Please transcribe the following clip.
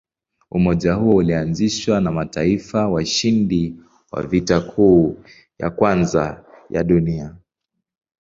Umoja huo ulianzishwa na mataifa washindi wa Vita Kuu ya Kwanza ya Dunia.